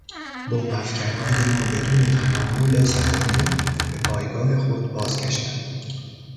بمب افکنهای ما بدون تحمل صدمه به پایگاه خود باز گشتند.